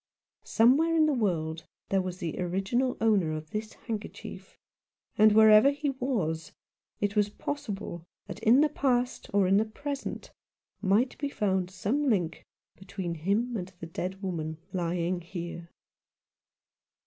Somewhere in the world there was the original owner of this handkerchief ; and, wherever he was, it was possible that in the past or in the present might be found some link between him and the dead woman lying here.